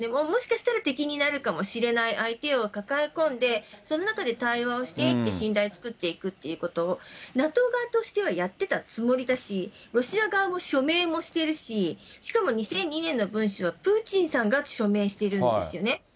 もしかしたら敵になるかもしれない相手を抱え込んで、その中で対話をして信頼を作っていくということ、ＮＡＴＯ側としてはやってたつもりだし、ロシア側も署名もしてるし、しかも２００２年の文書はプーチンさんが署名してるんですよね。